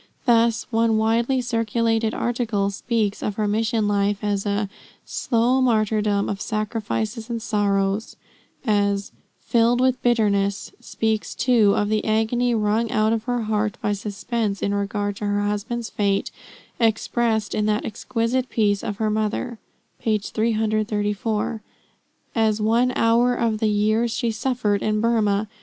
Thus one widely circulated article speaks of her mission life as a "slow martyrdom of sacrifices and sorrows;" as "filled with bitterness," speaks, too, of the agony wrung out of her heart by suspense in regard to her husband's fate, expressed in that exquisite piece to her mother, (page 334,) as "one hour of the years she suffered in Burmah."